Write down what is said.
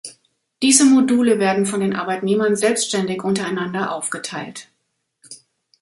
Diese Module werden von den Arbeitnehmern selbständig untereinander aufgeteilt.